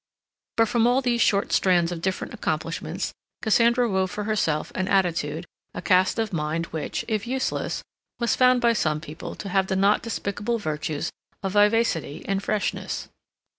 But from all these short strands of different accomplishments Cassandra wove for herself an attitude, a cast of mind, which, if useless, was found by some people to have the not despicable virtues of vivacity and freshness.